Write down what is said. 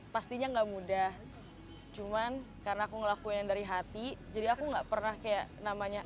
pastinya enggak mudah cuman karena aku ngelakuin dari hati jadi aku nggak pernah kayak namanya